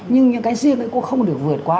nhưng những cái riêng cũng không được vượt qua